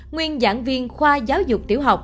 nguyên giảng viên khoa giáo dục tiểu học